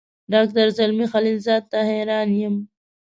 ډاکټر زلمي خلیلزاد ته حیران یم.